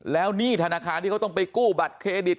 แล้วหนี้ธนาคารที่เขาต้องไปกู้บัตรเครดิต